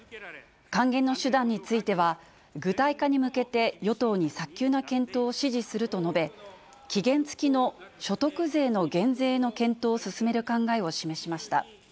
還元の手段については、具体化に向けて与党に早急な検討を指示すると述べ、期限付きの所得税の減税の検討を進める考えを示しました。